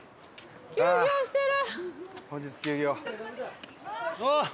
休業してる！